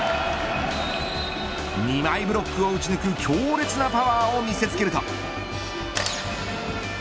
２枚ブロックを打ち抜く強烈なパワーを見せつけると。